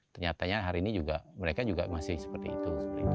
ternyatanya hari ini mereka juga masih seperti itu